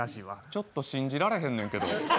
ちょっと信じられへんねんけど。